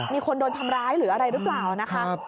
มีคนโดนทำร้ายหรืออะไรหรือเปล่านะคะ